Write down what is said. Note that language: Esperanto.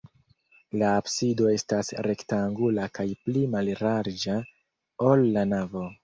La absido estas rektangula kaj pli mallarĝa, ol la navo.